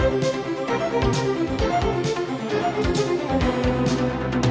đăng ký kênh để ủng hộ kênh của mình nhé